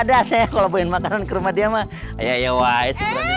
dah saya kalau beli makanan ke rumah dia mah ayo ya wae